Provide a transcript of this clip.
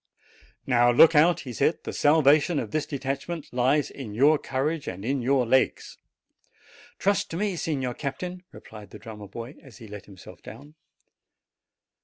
"Now look out!" he said; "the salvation of this detachment lies in your courage and in your legs." "Trust to me, Signor Captain," replied the drummer boy, as he let himself down.